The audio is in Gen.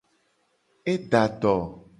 E da do.